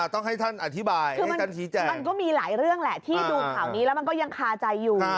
ต้องให้ท่านอธิบายให้ท่านชี้แจงมันก็มีหลายเรื่องแหละที่ดูข่าวนี้แล้วมันก็ยังคาใจอยู่